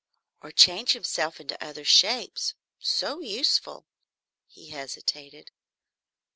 Or change himself in other shapes? So useful. He hesitated.